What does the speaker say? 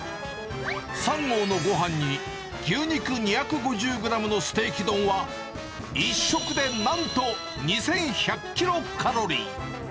３合のごはんに、牛肉２５０グラムのステーキ丼は、１食でなんと２１００キロカロリー。